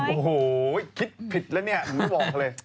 โอ้โหคิดผิดแล้วเนี่ยผมบอกเลย